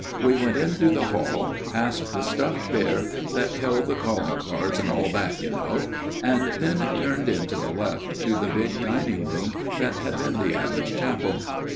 " We went in through the hall past the stuffed bear that held the calling cards and all that, you know ; and then turned in to the left to the big dining room that had been the abbot's chapel.